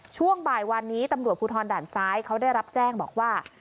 ช่วงบ่ายวันนี้ตำรวจภูทรด่านซ้ายเขาได้รับแจ้งบอกว่า